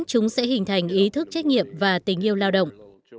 chúng sẽ hình thành ý thức trách nhiệm và tình yêu lao động